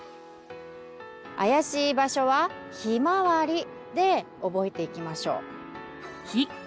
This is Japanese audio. あやしい場所は「ひまわり」で覚えていきましょう。